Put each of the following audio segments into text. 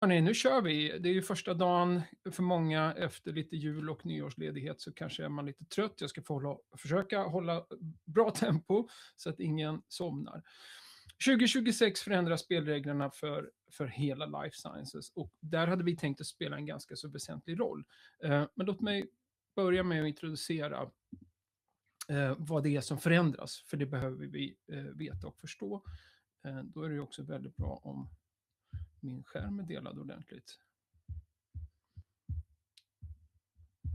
Hörni, nu kör vi. Det är ju första dagen för många efter lite jul- och nyårsledighet, så kanske är man lite trött. Jag ska försöka hålla bra tempo så att ingen somnar. 2026 förändras spelreglerna för hela Life Sciences, och där hade vi tänkt att spela en ganska så väsentlig roll. Men låt mig börja med att introducera vad det är som förändras, för det behöver vi veta och förstå. Då är det ju också väldigt bra om min skärm är delad ordentligt.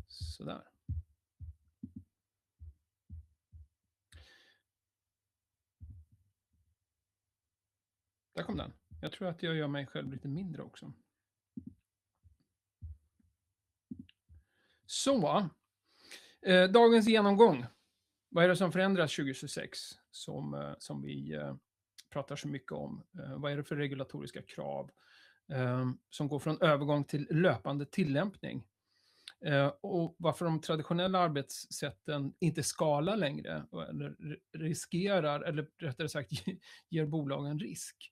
Så där. Där kom den. Jag tror att jag gör mig själv lite mindre också. Så. Dagens genomgång: Vad är det som förändras 2026 som vi pratar så mycket om? Vad är det för regulatoriska krav som går från övergång till löpande tillämpning? Och varför de traditionella arbetssätten inte skalar längre eller riskerar, eller rättare sagt ger bolagen risk?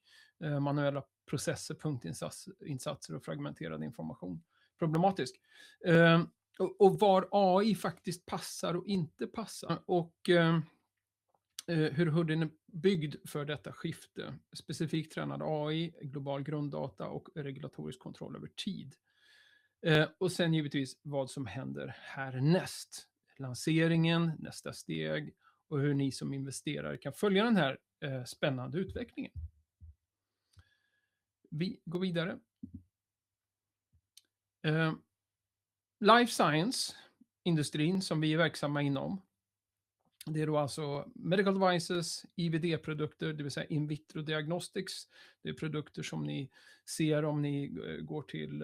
Manuella processer, punktinsatser och fragmenterad information. Problematiskt. Och var AI faktiskt passar och inte passar. Och hur Hoodin är byggd för detta skifte. Specifikt tränad AI, global grunddata och regulatorisk kontroll över tid. Och sen givetvis vad som händer härnäst. Lanseringen, nästa steg och hur ni som investerare kan följa den här spännande utvecklingen. Vi går vidare. Life Science, industrin som vi är verksamma inom. Det är då alltså medical devices, IVD-produkter, det vill säga in vitro diagnostics. Det är produkter som ni ser om ni går till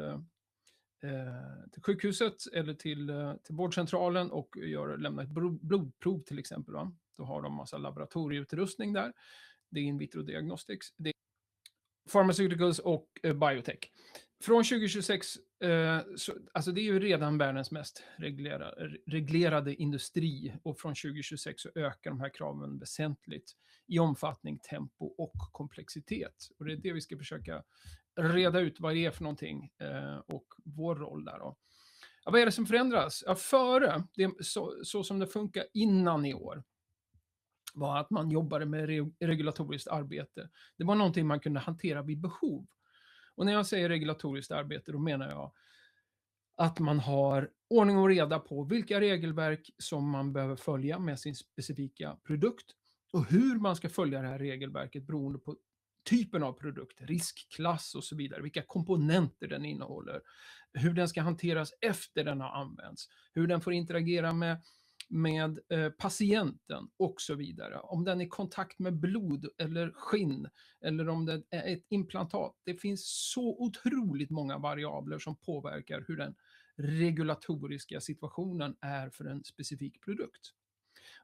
sjukhuset eller till vårdcentralen och lämnar ett blodprov till exempel. Då har de massa laboratorieutrustning där. Det är in vitro diagnostics. Pharmaceuticals och biotech. Från 2026, alltså det är ju redan världens mest reglerade industri och från 2026 så ökar de här kraven väsentligt i omfattning, tempo och komplexitet. Och det är det vi ska försöka reda ut vad det är för någonting och vår roll där då. Vad är det som förändras? Ja, före, det är så som det funkar innan i år, var att man jobbade med regulatoriskt arbete. Det var någonting man kunde hantera vid behov. När jag säger regulatoriskt arbete, då menar jag att man har ordning och reda på vilka regelverk som man behöver följa med sin specifika produkt och hur man ska följa det här regelverket beroende på typen av produkt, riskklass och så vidare. Vilka komponenter den innehåller, hur den ska hanteras efter den har använts, hur den får interagera med patienten och så vidare. Om den är i kontakt med blod eller skinn eller om det är ett implantat. Det finns så otroligt många variabler som påverkar hur den regulatoriska situationen är för en specifik produkt.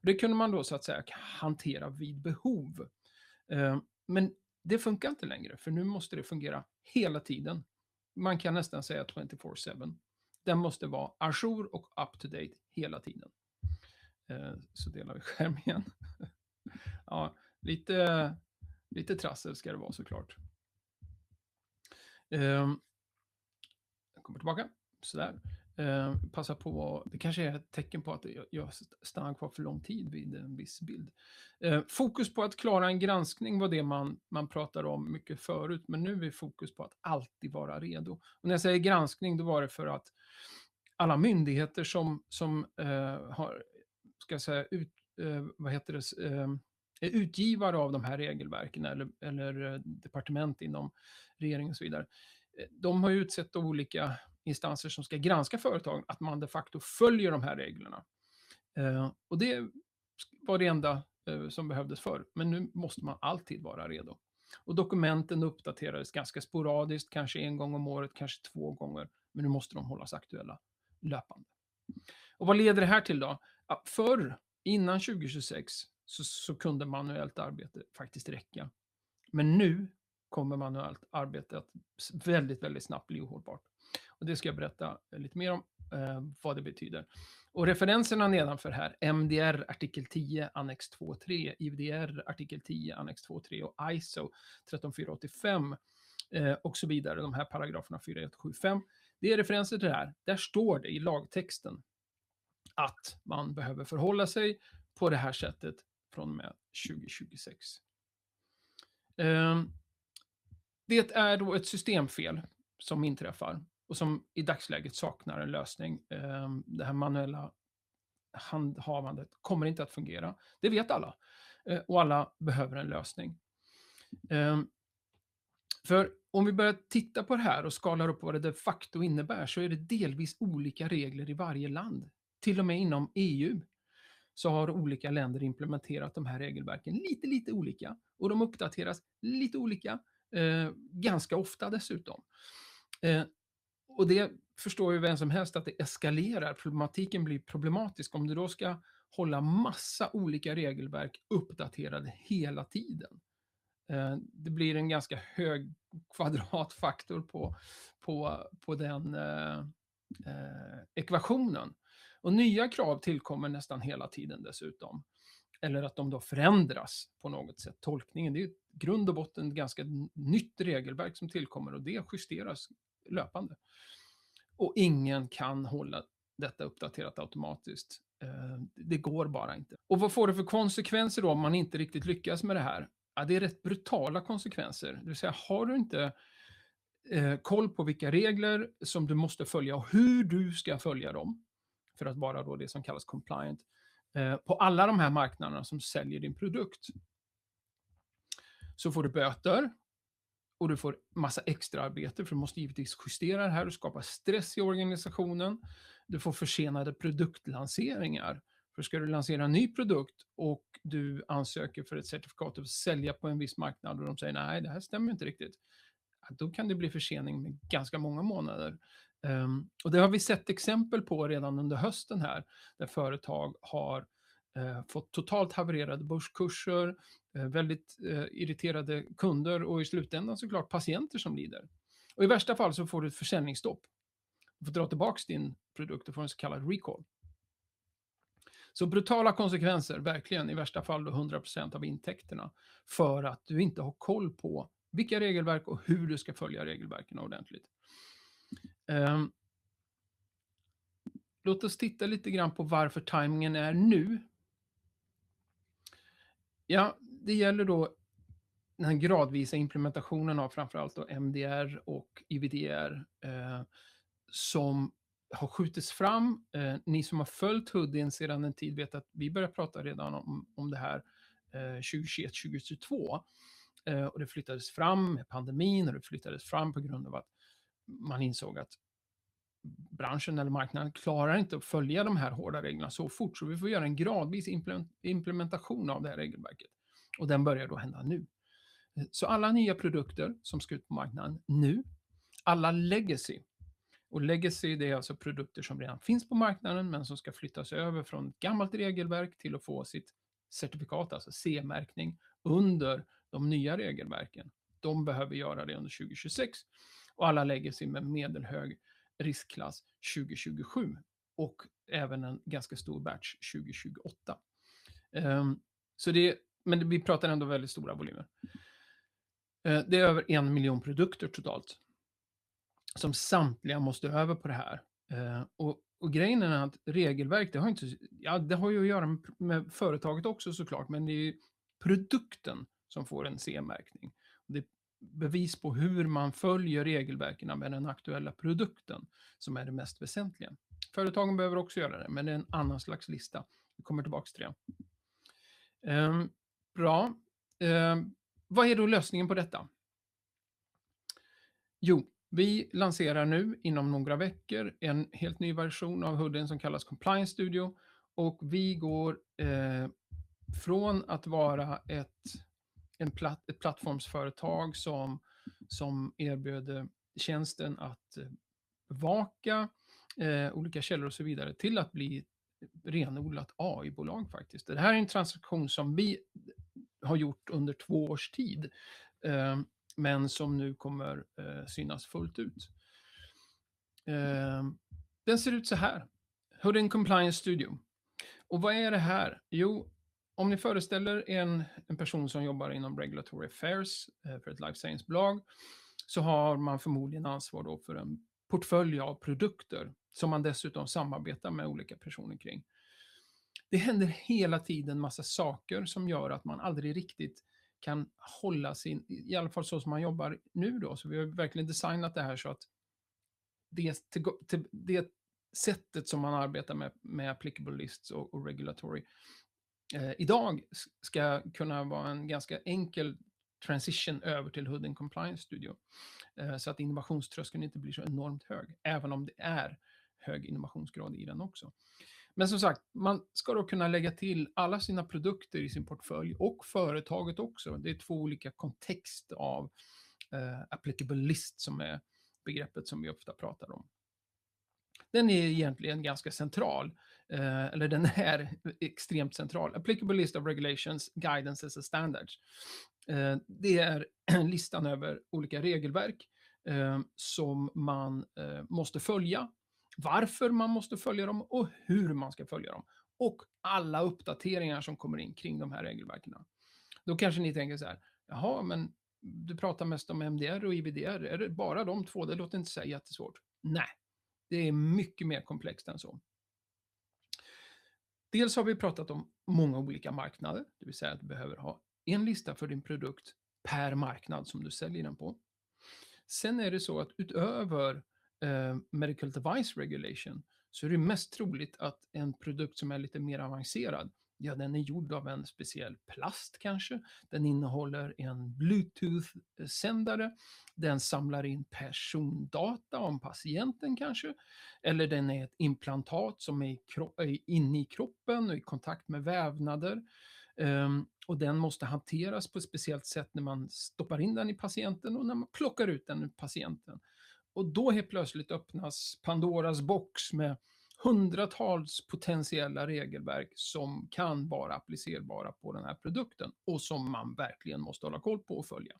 Det kunde man då så att säga hantera vid behov. Men det funkar inte längre, för nu måste det fungera hela tiden. Man kan nästan säga 24/7. Den måste vara ajour och up to date hela tiden. Så delar vi skärm igen. Ja, lite trassel ska det vara såklart. Jag kommer tillbaka. Så där. Passa på. Det kanske är ett tecken på att jag stannar kvar för lång tid vid en viss bild. Fokus på att klara en granskning var det man pratade om mycket förut, men nu är fokus på att alltid vara redo. När jag säger granskning, då var det för att alla myndigheter som har, ska jag säga, utgivare av de här regelverken eller departement inom regeringen och så vidare, de har ju utsett olika instanser som ska granska företagen att man de facto följer de här reglerna. Det var det enda som behövdes förr, men nu måste man alltid vara redo. Och dokumenten uppdaterades ganska sporadiskt, kanske en gång om året, kanske två gånger, men nu måste de hållas aktuella löpande. Vad leder det här till då? Förr, innan 2026, så kunde manuellt arbete faktiskt räcka. Men nu kommer manuellt arbete att väldigt, väldigt snabbt bli ohållbart. Det ska jag berätta lite mer om vad det betyder. Referenserna nedanför här, MDR artikel 10 annex 2 och 3, IVDR artikel 10 annex 2 och 3 och ISO 13485 och så vidare, de här paragraferna 4, 1, 7, 5, det är referenser till det här. Där står det i lagtexten att man behöver förhålla sig på det här sättet från och med 2026. Det är då ett systemfel som inträffar och som i dagsläget saknar en lösning. Det här manuella handhavandet kommer inte att fungera. Det vet alla och alla behöver en lösning. För om vi börjar titta på det här och skalar upp vad det de facto innebär så är det delvis olika regler i varje land. Till och med inom EU så har olika länder implementerat de här regelverken lite olika och de uppdateras lite olika, ganska ofta dessutom. Och det förstår ju vem som helst att det eskalerar. Problematiken blir problematisk om du då ska hålla massa olika regelverk uppdaterade hela tiden. Det blir en ganska hög kvadratfaktor på den ekvationen. Och nya krav tillkommer nästan hela tiden dessutom. Eller att de då förändras på något sätt. Tolkningen, det är ju grund och botten ett ganska nytt regelverk som tillkommer och det justeras löpande. Och ingen kan hålla detta uppdaterat automatiskt. Det går bara inte. Och vad får det för konsekvenser då om man inte riktigt lyckas med det här? Ja, det är rätt brutala konsekvenser. Det vill säga, har du inte koll på vilka regler som du måste följa och hur du ska följa dem för att vara det som kallas compliant på alla de här marknaderna som säljer din produkt så får du böter och du får massa extraarbete för du måste givetvis justera det här och skapa stress i organisationen. Du får försenade produktlanseringar. För ska du lansera en ny produkt och du ansöker för ett certifikat att sälja på en viss marknad och de säger nej, det här stämmer ju inte riktigt. Då kan det bli försening med ganska många månader. Och det har vi sett exempel på redan under hösten här, där företag har fått totalt havererade börskurser, väldigt irriterade kunder och i slutändan såklart patienter som lider. Och i värsta fall så får du ett försäljningsstopp. Du får dra tillbaka din produkt, du får en så kallad recall. Så brutala konsekvenser, verkligen i värsta fall då 100% av intäkterna för att du inte har koll på vilka regelverk och hur du ska följa regelverken ordentligt. Låt oss titta lite grann på varför tajmingen är nu. Ja, det gäller då den här gradvisa implementationen av framförallt då MDR och IVDR som har skjutits fram. Ni som har följt Hoodin sedan en tid vet att vi började prata redan om det här 2021-2022. Det flyttades fram med pandemin och det flyttades fram på grund av att man insåg att branschen eller marknaden klarar inte att följa de här hårda reglerna så fort. Vi får göra en gradvis implementation av det här regelverket. Den börjar då hända nu. Alla nya produkter som ska ut på marknaden nu, alla legacy. Och legacy, det är alltså produkter som redan finns på marknaden men som ska flyttas över från ett gammalt regelverk till att få sitt certifikat, alltså CE-märkning under de nya regelverken. De behöver göra det under 2026. Och alla legacy med medelhög riskklass 2027. Och även en ganska stor batch 2028. Men vi pratar ändå väldigt stora volymer. Det är över en miljon produkter totalt som samtliga måste över på det här. Grejen är att regelverk, det har ju att göra med företaget också såklart, men det är ju produkten som får en CE-märkning. Det är bevis på hur man följer regelverken med den aktuella produkten som är det mest väsentliga. Företagen behöver också göra det, men det är en annan slags lista. Vi kommer tillbaka till det. Bra. Vad är då lösningen på detta? Jo, vi lanserar nu inom några veckor en helt ny version av Hoodin som kallas Compliance Studio. Vi går från att vara ett plattformsföretag som erbjöd tjänsten att bevaka olika källor och så vidare till att bli renodlat AI-bolag faktiskt. Det här är en transaktion som vi har gjort under två års tid, men som nu kommer synas fullt ut. Den ser ut så här: Hoodin Compliance Studio. Vad är det här? Jo, om ni föreställer er en person som jobbar inom regulatory affairs för ett life science-bolag, så har man förmodligen ansvar då för en portfölj av produkter som man dessutom samarbetar med olika personer kring. Det händer hela tiden massa saker som gör att man aldrig riktigt kan hålla sin, i alla fall så som man jobbar nu då. Vi har ju verkligen designat det här så att det sättet som man arbetar med applicable risks och regulatory idag ska kunna vara en ganska enkel transition över till Hoodin Compliance Studio. Innovationströskeln inte blir så enormt hög, även om det är hög innovationsgrad i den också. Men som sagt, man ska då kunna lägga till alla sina produkter i sin portfölj och företaget också. Det är två olika kontexter av applicable risks som är begreppet som vi ofta pratar om. Den är egentligen ganska central, eller den är extremt central. Applicable list of regulations, guidance and standards. Det är listan över olika regelverk som man måste följa, varför man måste följa dem och hur man ska följa dem. Alla uppdateringar som kommer in kring de här regelverken. Då kanske ni tänker så här: "Jaha, men du pratar mest om MDR och IVDR, är det bara de två? Det låter inte så jättesvårt." Nej, det är mycket mer komplext än så. Dels har vi pratat om många olika marknader, det vill säga att du behöver ha en lista för din produkt per marknad som du säljer den på. Sen är det så att utöver medical device regulation så är det ju mest troligt att en produkt som är lite mer avancerad, ja, den är gjord av en speciell plast kanske. Den innehåller en Bluetooth-sändare, den samlar in persondata om patienten kanske, eller den är ett implantat som är inne i kroppen och i kontakt med vävnader. Och den måste hanteras på ett speciellt sätt när man stoppar in den i patienten och när man plockar ut den ur patienten. Och då helt plötsligt öppnas Pandoras box med hundratals potentiella regelverk som kan vara applicerbara på den här produkten och som man verkligen måste hålla koll på och följa.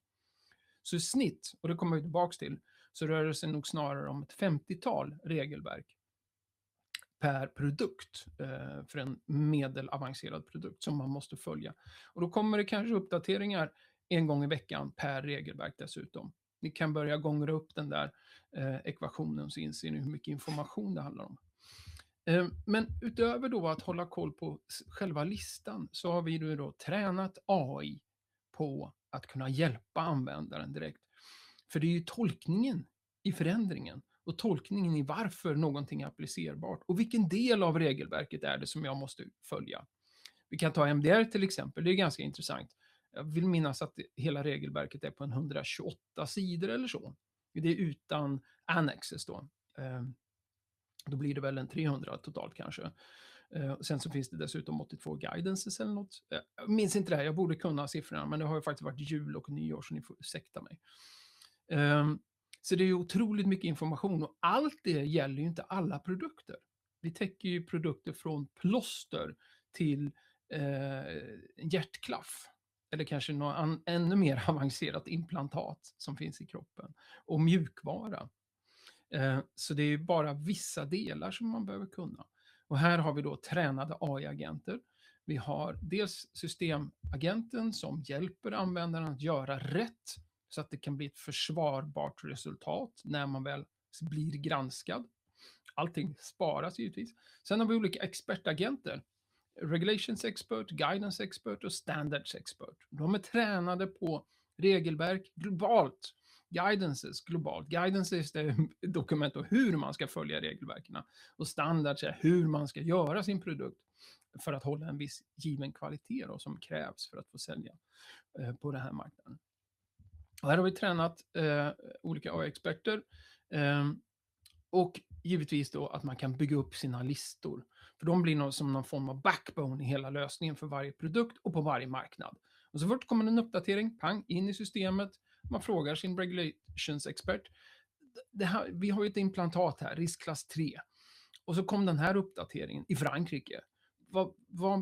Så i snitt, och det kommer vi tillbaka till, så rör det sig nog snarare om ett femtiotal regelverk per produkt för en medelavancerad produkt som man måste följa. Och då kommer det kanske uppdateringar en gång i veckan per regelverk dessutom. Ni kan börja gångra upp den där ekvationen så inser ni hur mycket information det handlar om. Men utöver då att hålla koll på själva listan så har vi nu då tränat AI på att kunna hjälpa användaren direkt. För det är ju tolkningen i förändringen och tolkningen i varför någonting är applicerbart och vilken del av regelverket är det som jag måste följa. Vi kan ta MDR till exempel, det är ganska intressant. Jag vill minnas att hela regelverket är på en 128 sidor eller så. Det är utan annexes då. Då blir det väl en 300 totalt kanske. Sen så finns det dessutom 82 guidances eller något. Jag minns inte det här, jag borde kunna siffrorna, men det har ju faktiskt varit jul och nyår så ni får ursäkta mig. Så det är ju otroligt mycket information och allt det gäller ju inte alla produkter. Vi täcker ju produkter från plåster till hjärtklaff eller kanske något ännu mer avancerat implantat som finns i kroppen och mjukvara. Så det är ju bara vissa delar som man behöver kunna. Här har vi då tränade AI-agenter. Vi har dels systemagenten som hjälper användaren att göra rätt så att det kan bli ett försvarbart resultat när man väl blir granskad. Allting sparas givetvis. Sen har vi olika expertagenter: Regulations Expert, Guidance Expert och Standards Expert. De är tränade på regelverk globalt. Guidance globalt. Guidance är ett dokument om hur man ska följa regelverken och Standards är hur man ska göra sin produkt för att hålla en viss given kvalitet då som krävs för att få sälja på den här marknaden. Här har vi tränat olika AI-experter och givetvis då att man kan bygga upp sina listor. För de blir som någon form av backbone i hela lösningen för varje produkt och på varje marknad. Så fort kommer en uppdatering, pang, in i systemet. Man frågar sin Regulations Expert. Det här, vi har ju ett implantat här, riskklass 3. Så kom den här uppdateringen i Frankrike.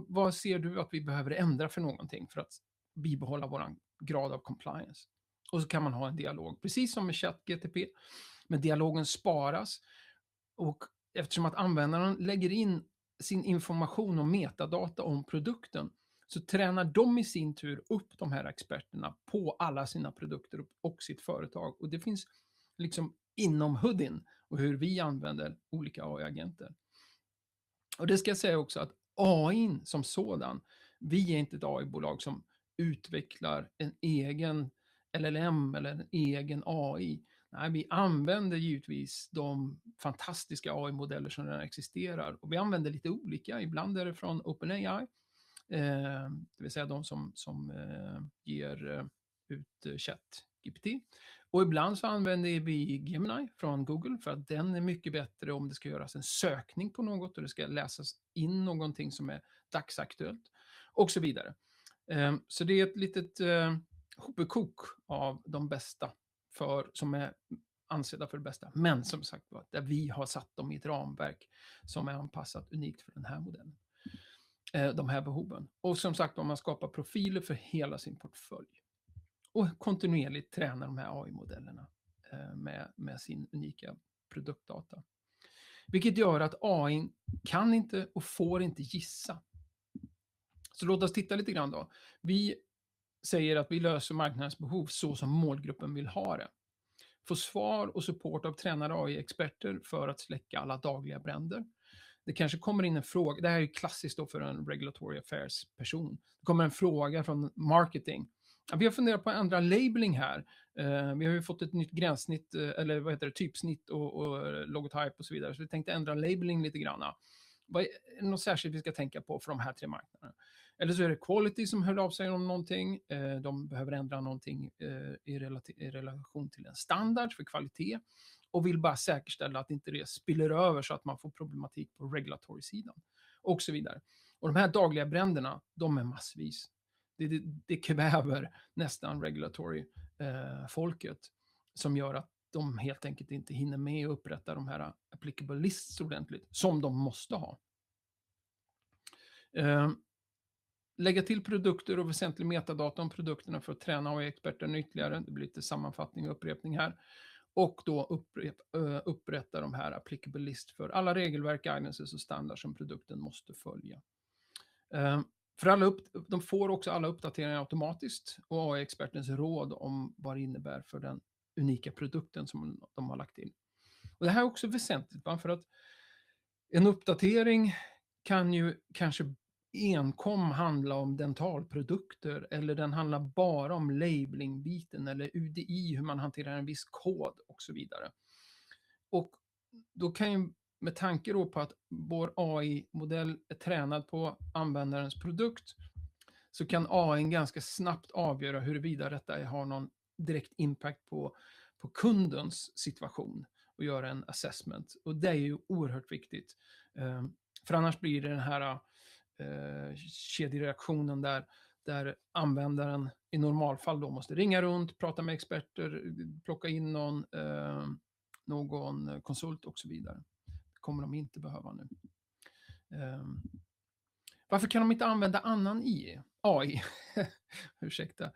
Vad ser du att vi behöver ändra för någonting för att bibehålla vår grad av compliance? Och så kan man ha en dialog, precis som med ChatGPT. Men dialogen sparas. Och eftersom att användaren lägger in sin information och metadata om produkten så tränar de i sin tur upp de här experterna på alla sina produkter och sitt företag. Det finns liksom inom Hoodin och hur vi använder olika AI-agenter. Det ska jag säga också att AI som sådan, vi är inte ett AI-bolag som utvecklar en egen LLM eller en egen AI. Nej, vi använder givetvis de fantastiska AI-modeller som redan existerar. Vi använder lite olika. Ibland är det från OpenAI, det vill säga de som ger ut ChatGPT. Ibland så använder vi Gemini från Google för att den är mycket bättre om det ska göras en sökning på något och det ska läsas in någonting som är dagsaktuellt och så vidare. Så det är ett litet hopkok av de bästa för som är ansedda för det bästa. Men som sagt var, där vi har satt dem i ett ramverk som är anpassat unikt för den här modellen, de här behoven. Som sagt var, man skapar profiler för hela sin portfölj och kontinuerligt tränar de här AI-modellerna med sin unika produktdata. Vilket gör att AI kan inte och får inte gissa. Låt oss titta lite grann då. Vi säger att vi löser marknadens behov så som målgruppen vill ha det. Få svar och support av tränade AI-experter för att släcka alla dagliga bränder. Det kanske kommer in en fråga. Det här är ju klassiskt då för en regulatory affairs-person. Det kommer en fråga från marketing. Vi har funderat på att ändra labeling här. Vi har ju fått ett nytt gränssnitt, eller vad heter det, typsnitt och logotype och så vidare. Så vi tänkte ändra labeling lite grann. Vad är det något särskilt vi ska tänka på för de här tre marknaderna? Eller så är det quality som höll av sig om någonting. De behöver ändra någonting i relation till en standard för kvalitet och vill bara säkerställa att inte det spiller över så att man får problematik på regulatory-sidan och så vidare. De här dagliga bränderna, de är massvis. Det kväver nästan regulatory-folket som gör att de helt enkelt inte hinner med att upprätta de här applicable lists ordentligt som de måste ha. Lägga till produkter och väsentlig metadata om produkterna för att träna AI-experterna ytterligare. Det blir lite sammanfattning och upprepning här då upprätta de här applicable lists för alla regelverk, guidance och standard som produkten måste följa. För alla, de får också alla uppdateringar automatiskt. Och AI-expertens råd om vad det innebär för den unika produkten som de har lagt in. Och det här är också väsentligt. För att en uppdatering kan ju kanske enkom handla om dentalprodukter. Eller den handlar bara om labeling-biten. Eller UDI, hur man hanterar en viss kod och så vidare. Och då kan ju, med tanke då på att vår AI-modell är tränad på användarens produkt. Så kan AI ganska snabbt avgöra huruvida detta har någon direkt impact på kundens situation. Och göra en assessment. Och det är ju oerhört viktigt. För annars blir det den här kedjereaktionen där användaren i normalfall då måste ringa runt, prata med experter, plocka in någon konsult och så vidare. Det kommer de inte behöva nu. Varför kan de inte använda annan AI? Ursäkta.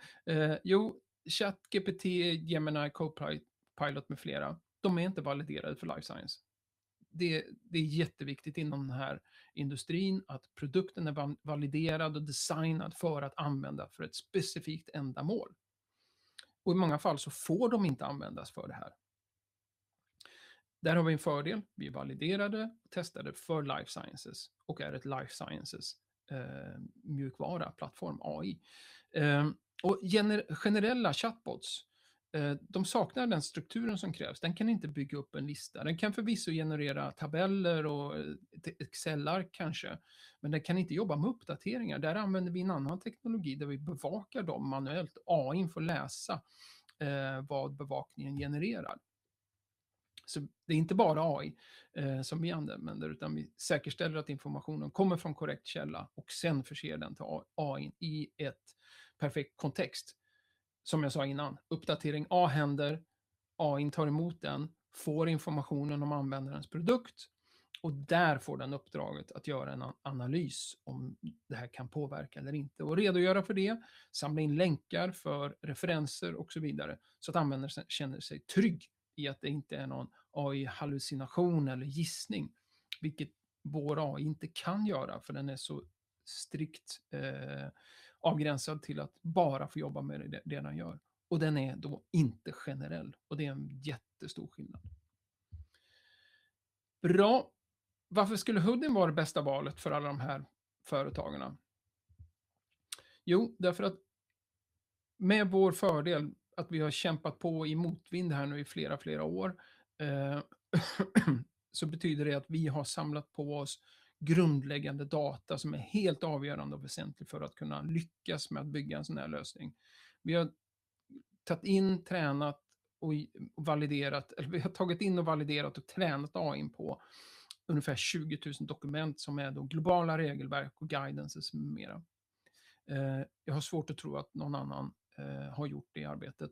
Jo, ChatGPT, Gemini, Copilot med flera. De är inte validerade för life science. Det är jätteviktigt inom den här industrin att produkten är validerad och designad för att använda för ett specifikt ändamål. I många fall så får de inte användas för det här. Där har vi en fördel. Vi är validerade, testade för life sciences och är ett life sciences mjukvara, plattform, AI. Generella chatbots saknar den strukturen som krävs. Den kan inte bygga upp en lista. Den kan förvisso generera tabeller och Excel-ark kanske, men den kan inte jobba med uppdateringar. Där använder vi en annan teknologi där vi bevakar dem manuellt. AI får läsa vad bevakningen genererar. Det är inte bara AI som vi använder, utan vi säkerställer att informationen kommer från korrekt källa och sen förser den till AI i ett perfekt kontext. Som jag sa innan, uppdatering A händer. AI tar emot den, får informationen om användarens produkt. Och där får den uppdraget att göra en analys om det här kan påverka eller inte. Och redogöra för det, samla in länkar för referenser och så vidare. Så att användaren känner sig trygg i att det inte är någon AI-hallucination eller gissning. Vilket vår AI inte kan göra. För den är så strikt, avgränsad till att bara få jobba med det den gör. Och den är då inte generell. Och det är en jättestor skillnad. Bra. Varför skulle Hoodin vara det bästa valet för alla de här företagen? Jo, därför att med vår fördel att vi har kämpat på i motvind här nu i flera, flera år, så betyder det att vi har samlat på oss grundläggande data som är helt avgörande och väsentlig för att kunna lyckas med att bygga en sådan här lösning. Vi har tagit in, tränat och validerat. Eller vi har tagit in och validerat och tränat AI på ungefär 20 000 dokument som är då globala regelverk och guidance med mera. Jag har svårt att tro att någon annan har gjort det i arbetet.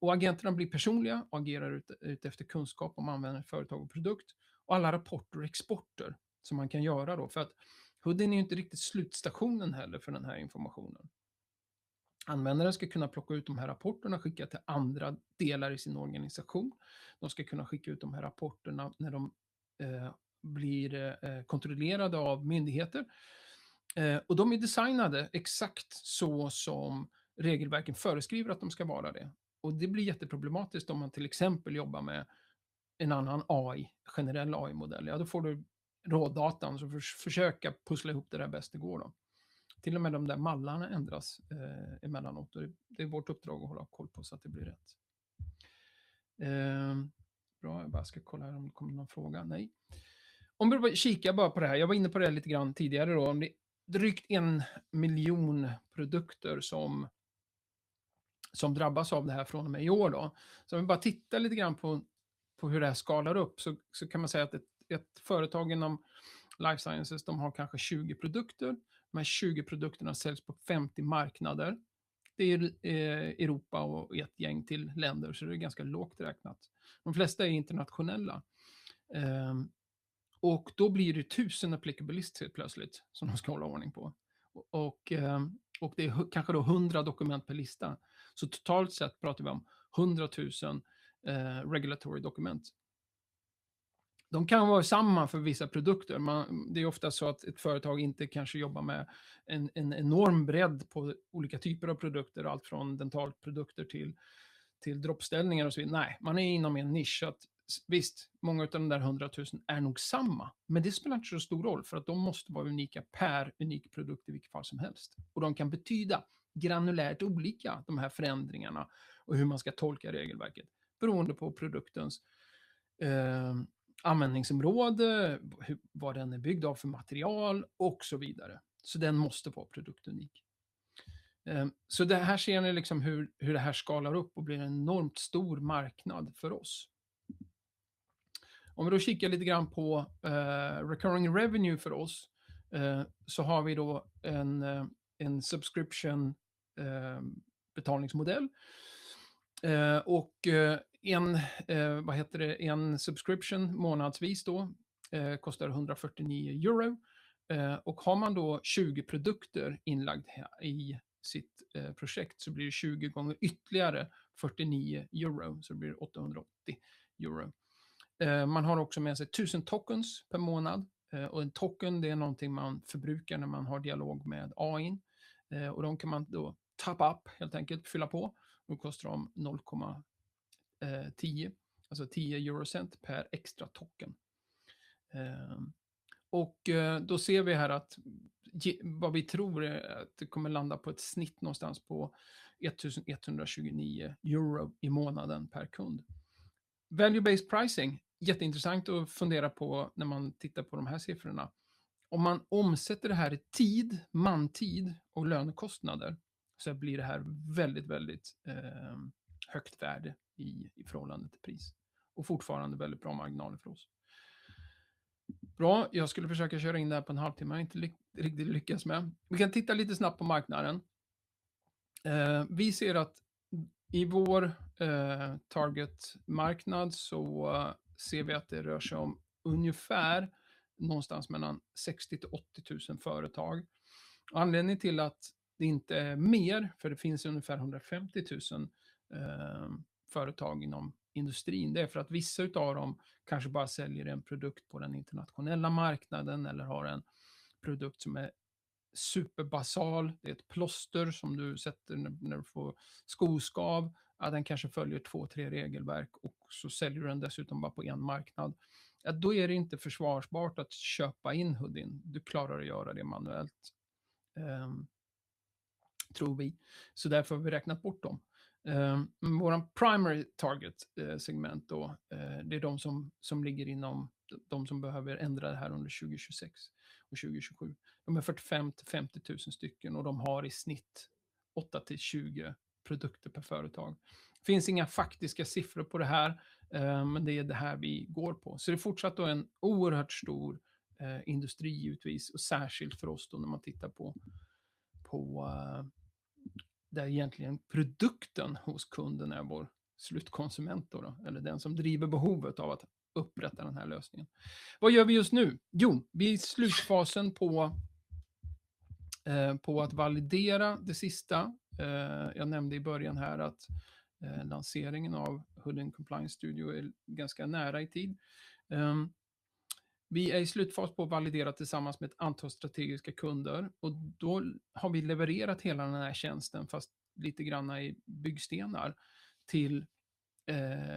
Agenterna blir personliga och agerar utifrån kunskap om användaren, företag och produkt. Alla rapporter och exporter som man kan göra då. För att Hoodin är ju inte riktigt slutstationen heller för den här informationen. Användaren ska kunna plocka ut de här rapporterna och skicka till andra delar i sin organisation. De ska kunna skicka ut de här rapporterna när de blir kontrollerade av myndigheter. De är designade exakt så som regelverken föreskriver att de ska vara det. Det blir jätteproblematiskt om man till exempel jobbar med en annan AI, generell AI-modell. Ja, då får du rådatan och så försöka pussla ihop det där bäst det går då. Till och med de där mallarna ändras emellanåt. Det är vårt uppdrag att hålla koll på så att det blir rätt. Bra, jag bara ska kolla här om det kommer någon fråga. Nej. Om vi kikar bara på det här. Jag var inne på det lite grann tidigare då. Om det är drygt en miljon produkter som drabbas av det här från och med i år då. Om vi bara tittar lite grann på hur det här skalar upp så kan man säga att ett företag inom life sciences, de har kanske 20 produkter. De här 20 produkterna säljs på 50 marknader. Det är Europa och ett gäng till länder. Det är ganska lågt räknat. De flesta är internationella. Och då blir det tusen applicable lists helt plötsligt som de ska hålla ordning på. Och det är kanske då 100 dokument per lista. Så totalt sett pratar vi om 100,000 regulatory documents. De kan vara samma för vissa produkter. Det är ofta så att ett företag inte kanske jobbar med en enorm bredd på olika typer av produkter. Allt från dentalprodukter till droppställningar och så vidare. Nej, man är inom en nisch. Visst, många av de där 100,000 är nog samma. Men det spelar inte så stor roll. För att de måste vara unika per unik produkt i vilket fall som helst. Och de kan betyda granulärt olika, de här förändringarna. Och hur man ska tolka regelverket. Beroende på produktens användningsområde. Vad den är byggd av för material och så vidare. Så den måste vara produktunik. Så det här ser ni liksom hur det här skalar upp och blir en enormt stor marknad för oss. Om vi då kikar lite grann på recurring revenue för oss, så har vi då en subscription betalningsmodell och en subscription månadsvis då. Kostar €149 och har man då 20 produkter inlagda i sitt projekt så blir det 20 gånger ytterligare €49. Så det blir €880. Man har också med sig 1000 tokens per månad och en token, det är någonting man förbrukar när man har dialog med AI:n och de kan man då tappa upp helt enkelt, fylla på. Då kostar de €0,10. Alltså 10 eurocent per extra token och då ser vi här att vad vi tror är att det kommer landa på ett snitt någonstans på €1129 i månaden per kund. Value-based pricing. Jätteintressant att fundera på när man tittar på de här siffrorna. Om man omsätter det här i tid, mantid och lönekostnader, så blir det här väldigt, väldigt högt värde i förhållande till pris. Fortfarande väldigt bra marginaler för oss. Bra, jag skulle försöka köra in det här på en halvtimme. Jag har inte riktigt lyckats med det. Vi kan titta lite snabbt på marknaden. Vi ser att i vår targetmarknad så ser vi att det rör sig om ungefär någonstans mellan 60,000 till 80,000 företag. Anledningen till att det inte är mer, för det finns ungefär 150,000 företag inom industrin. Det är för att vissa av dem kanske bara säljer en produkt på den internationella marknaden eller har en produkt som är superbasal. Det är ett plåster som du sätter när du får skoskav. Ja, den kanske följer två, tre regelverk. Och så säljer du den dessutom bara på en marknad. Ja, då är det inte försvarbart att köpa in Hoodin. Du klarar att göra det manuellt. Tror vi. Så därför har vi räknat bort dem. Men vår primary target-segment då, det är de som ligger inom de som behöver ändra det här under 2026 och 2027. De är 45,000 till 50,000 stycken. Och de har i snitt 8,000 till 20,000 produkter per företag. Det finns inga faktiska siffror på det här, men det är det här vi går på. Så det är fortsatt då en oerhört stor industri givetvis. Och särskilt för oss då när man tittar på där egentligen produkten hos kunden är vår slutkonsument då. Då, eller den som driver behovet av att upprätta den här lösningen. Vad gör vi just nu? Jo, vi är i slutfasen på att validera det sista. Jag nämnde i början här att lanseringen av Hoodin Compliance Studio är ganska nära i tid. Vi är i slutfas på att validera tillsammans med ett antal strategiska kunder. Då har vi levererat hela den här tjänsten, fast lite granna i byggstenar, till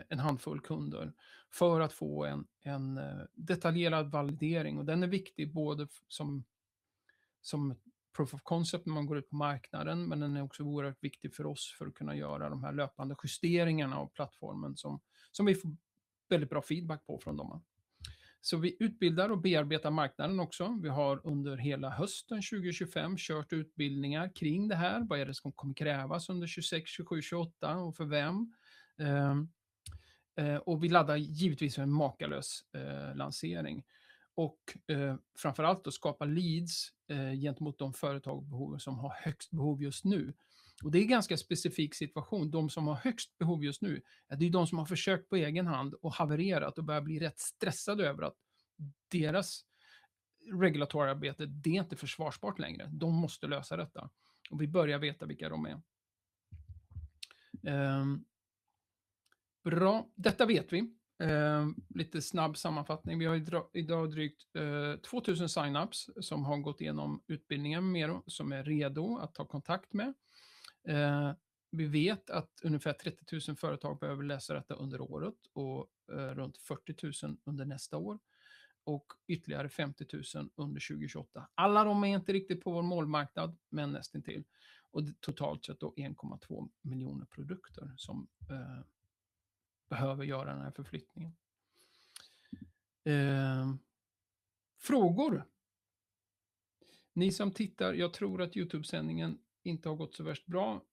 en handfull kunder för att få en detaljerad validering. Den är viktig både som proof of concept när man går ut på marknaden, men den är också oerhört viktig för oss för att kunna göra de här löpande justeringarna av plattformen som vi får väldigt bra feedback på från dem. Vi utbildar och bearbetar marknaden också. Vi har under hela hösten 2025 kört utbildningar kring det här. Vad är det som kommer krävas under 2026, 2027, 2028 och för vem. Vi laddar givetvis för en makalös lansering. Och, framförallt att skapa leads gentemot de företag som har högst behov just nu. Det är en ganska specifik situation. De som har högst behov just nu, det är ju de som har försökt på egen hand och havererat. Börjar bli rätt stressade över att deras regulatorarbete, det är inte försvarbart längre. De måste lösa detta. Vi börjar veta vilka de är. Bra, detta vet vi. Lite snabb sammanfattning. Vi har idag drygt 2,000 signups som har gått igenom utbildningen med dem. Som är redo att ta kontakt med. Vi vet att ungefär 30,000 företag behöver läsa detta under året. Runt 40,000 under nästa år. Ytterligare 50,000 under 2028. Alla de är inte riktigt på vår målmarknad. Men nästintill. Totalt sett då 1.2 miljoner produkter som behöver göra den här förflyttningen. Frågor. Ni som tittar, jag tror att YouTube-sändningen inte har gått så värst bra,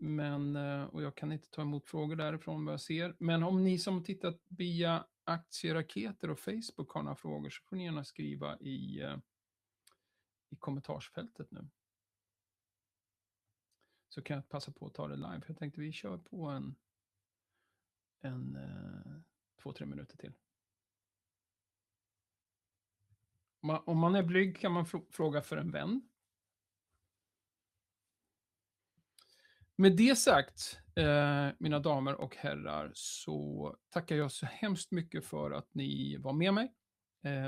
men jag kan inte ta emot frågor därifrån vad jag ser. Men om ni som har tittat via Aktieraketer och Facebook har några frågor, så får ni gärna skriva i kommentarsfältet nu. Så kan jag passa på att ta det live. Jag tänkte vi kör på en två, tre minuter till. Om man är blyg kan man fråga för en vän. Med det sagt, mina damer och herrar, så tackar jag så hemskt mycket för att ni var med mig,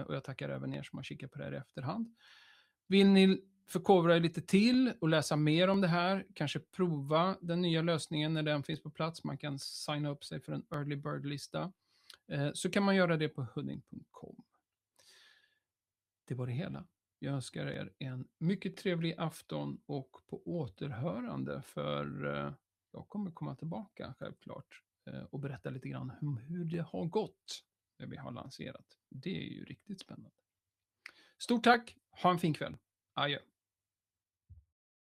och jag tackar även som har kikat på det här i efterhand. Vill ni förkovra lite till och läsa mer om det här, kanske prova den nya lösningen när den finns på plats, man kan signa upp sig för en early bird-lista, så kan man göra det på Hoodin.com. Det var det hela. Jag önskar en mycket trevlig afton. Och på återhörande, för jag kommer komma tillbaka självklart och berätta lite grann hur det har gått när vi har lanserat. Det är ju riktigt spännande. Stort tack. Ha en fin kväll. Adjö.